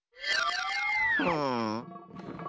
うん。